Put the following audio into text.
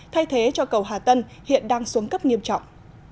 thay thế cho cầu hà tân hiện đang xuống cấp nghiêm trọng